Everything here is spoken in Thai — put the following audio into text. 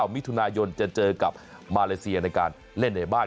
มิถุนายนจะเจอกับมาเลเซียในการเล่นในบ้าน